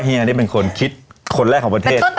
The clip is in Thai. เฮียนี่เป็นคนคิดคนแรกของประเทศ